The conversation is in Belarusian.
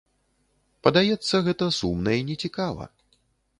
Падаецца, гэта сумна і не цікава.